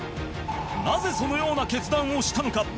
なぜそのような決断をしたのか？